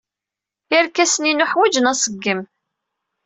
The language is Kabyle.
Irkasen-inu ḥwajen aṣeggem.